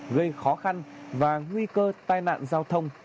gây khó khăn và nguy cơ tai nạn giao thông